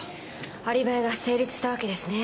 アリバイが成立したわけですね。